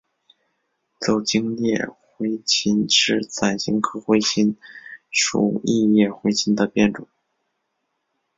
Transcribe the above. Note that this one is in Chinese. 走茎异叶茴芹是伞形科茴芹属异叶茴芹的变种。